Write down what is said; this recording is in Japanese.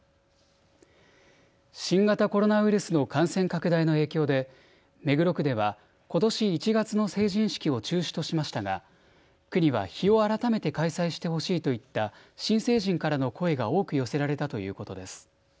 新型コロナウイルスの感染拡大の影響で目黒区ではことし１月の成人式を中止としましたが区には日を改めて開催してほしいといった新成人からの声が多く寄せられたということです。